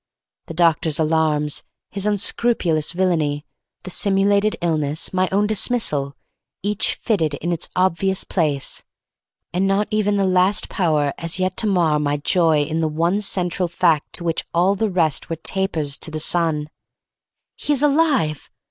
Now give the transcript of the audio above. The doctor's alarms, his unscrupulous venality, the simulated illness, my own dismissal, each fitted in its obvious place, and not even the last had power as yet to mar my joy in the one central fact to which all the rest were as tapers to the sun. "He is alive!"